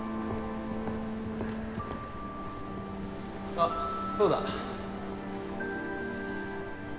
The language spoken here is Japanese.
あっそうだ。